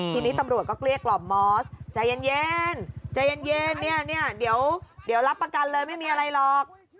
ทีนี้ตำรวจก็เกลี้ยกล่อมมอสใจเย็นใจเย็นเนี่ยเดี๋ยวรับประกันเลยไม่มีอะไรหรอก